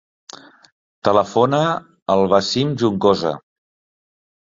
Telefona al Wasim Juncosa.